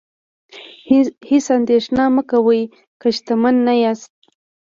هیڅ اندیښنه مه کوئ که شتمن نه یاست.